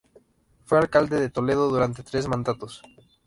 Fue alcalde de Toledo durante tres mandatos.